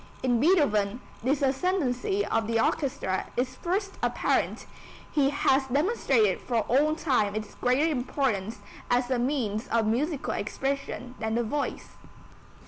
In Beethoven this ascendency of the orchestra is first apparent; he has demonstrated for all time its greater importance as a means of musical expression than the voice.